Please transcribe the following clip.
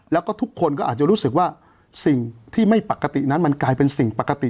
แล้วก็ทุกคนก็อาจจะรู้สึกว่าสิ่งที่ไม่ปกตินั้นมันกลายเป็นสิ่งปกติ